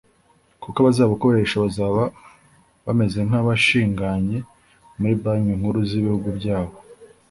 kuko abazabukoresha bazaba bameze nk’abashinganye muri Banki Nkuru z’ibihugu byabo